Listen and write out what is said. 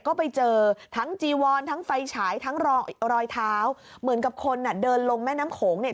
ก็ไปเจอทั้งจีวอนทั้งไฟฉายทั้งรอยเท้าเหมือนกับคนอ่ะเดินลงแม่น้ำโขงเนี่ย